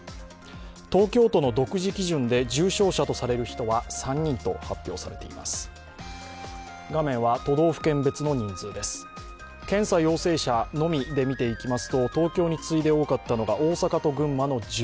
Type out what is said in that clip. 東京都の独自基準で重症者とされる人は３人と発表されています。